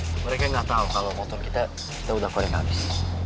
mereka gak tau kalo motor kita kita udah korek abis